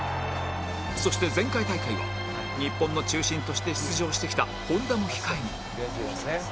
そして前回大会は日本の中心として出場してきた本田も控えに